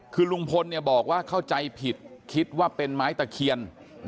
คือลุงพลเนี่ยบอกว่าเข้าใจผิดคิดว่าเป็นไม้ตะเคียน